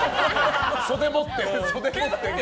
袖持って。